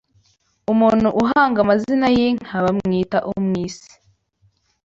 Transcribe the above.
Umuntu uhanga amazina y’inka bamwita umwisi